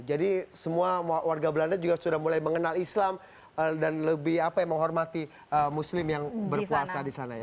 jadi semua warga belanda juga sudah mulai mengenal islam dan lebih apa ya menghormati muslim yang berpuasa di sana ya